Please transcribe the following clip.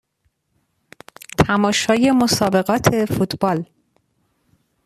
تماشای مسابقات فوتبال